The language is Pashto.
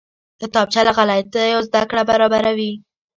کتابچه له غلطیو زده کړه برابروي